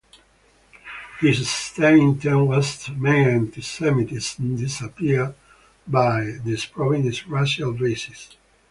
His stated intent was to make antisemitism disappear by disproving its racial basis.